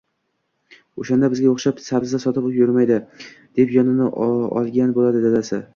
Oʻshanda bizga oʻxshab sabzi sotib yurmaydi, – deb yonini olgan boʻladi dadasi.